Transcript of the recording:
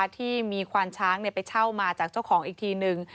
ที่มีควานช้างไปเช่ามาจากเจ้าของอีกทีนึง